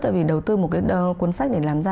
tại vì đầu tư một cái cuốn sách để làm ra